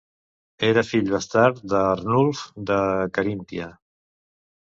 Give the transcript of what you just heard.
Era fill bastard d'Arnulf de Caríntia.